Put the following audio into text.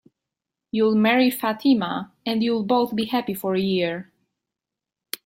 You'll marry Fatima, and you'll both be happy for a year.